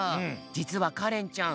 じつはかれんちゃん